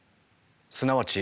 すなわち。